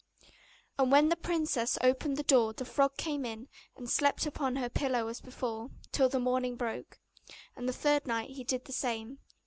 And when the princess opened the door the frog came in, and slept upon her pillow as before, till the morning broke. And the third night he did the same.